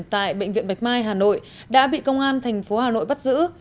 tại bệnh viện bạch mai hà nội đã bị công an thành phố hà nội bắt giữ